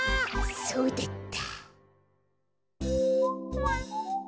そうだった。